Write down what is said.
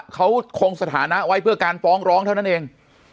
เขาคงสถานะไว้เพื่อการฟ้องร้องเท่านั้นเอง